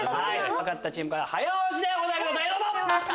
分かったチームから早押しでお答えくださいどうぞ！